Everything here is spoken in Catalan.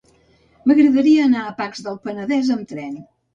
M'agradaria anar a Pacs del Penedès amb tren.